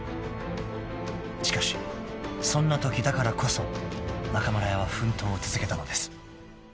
［しかしそんなときだからこそ中村屋は奮闘を続けたのです］